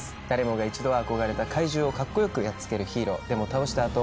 誰もが一度は憧れた怪獣をかっこよくやっつけるヒーローでも倒した